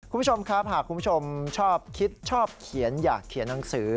คุณผู้ชมครับหากคุณผู้ชมชอบคิดชอบเขียนอยากเขียนหนังสือ